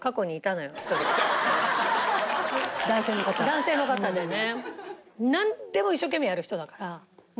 男性の方でね。